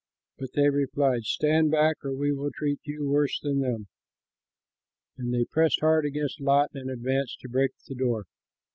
But they replied, "Stand back, or we will treat you worse than them." And they pressed hard against Lot and advanced to break the door.